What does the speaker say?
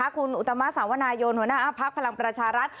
คุณอุตมะสาวนายนหัวหน้าพักพลังประชารัฐ